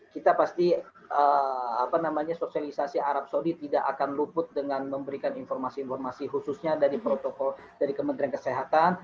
kita pasti sosialisasi arab saudi tidak akan luput dengan memberikan informasi informasi khususnya dari protokol dari kementerian kesehatan